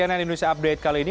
cnn indonesia update kali ini